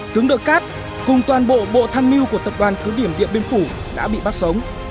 tướng đội cát cùng toàn bộ bộ tham mưu của tập đoàn cứ điểm điện biên phủ đã bị bắt sống